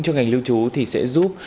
cho ngành lưu trú thì sẽ giúp